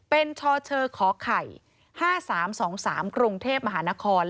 เป็นชชขอไข่๕๓๒๓กรุงเทพมหานคร